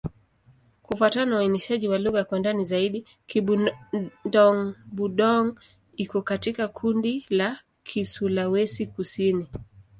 Kufuatana na uainishaji wa lugha kwa ndani zaidi, Kibudong-Budong iko katika kundi la Kisulawesi-Kusini.